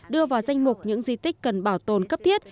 đưa vào danh mục những di tích cần bảo tồn cấp thiết